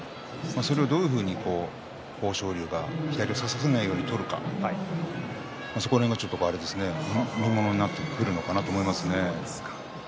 それをどういうふうに豊昇龍が左を差させないように取るかその辺が見ものになってくるかと思います。